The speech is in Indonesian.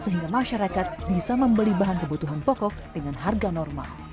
dan mereka bisa membeli bahan kebutuhan pokok dengan harga normal